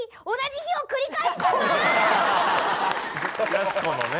やす子のね